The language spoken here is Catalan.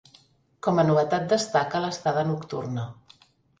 Com a novetat destaca l’estada nocturna.